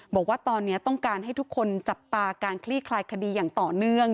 บอกว่าตอนนี้ต้องการให้ทุกคนจับตาการคลี่คลายคดีอย่างต่อเนื่อง